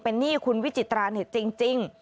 เป็นหนี้คุณวิจิตราเนี่ยจริง